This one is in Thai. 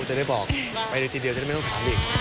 จะได้บอกไปเลยทีเดียวจะได้ไม่ต้องถามอีก